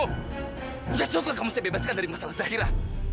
udah cukur kamu saya bebaskan dari masalah zahira